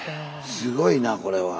すごいなこれは。